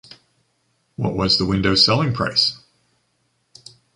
What was the window’s selling price?